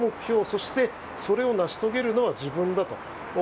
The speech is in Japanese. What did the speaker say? そして、それを成し遂げるのは自分だと。